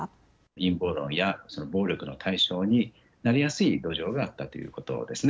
陰謀論や、その暴力の対象になりやすい土壌があったということですね。